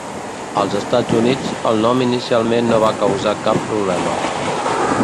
Als Estats Units, el nom inicialment no va causar cap problema.